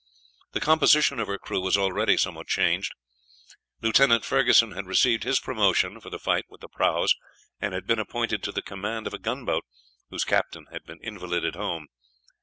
The composition of her crew was already somewhat changed. Lieutenant Ferguson had received his promotion for the fight with the prahus, and had been appointed to the command of a gunboat whose captain had been invalided home.